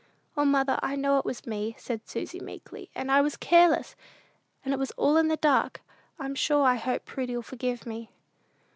"O, mother, I know it was me," said Susy meekly; "and I was careless, and it was all in the dark. I'm sure I hope Prudy'll forgive me."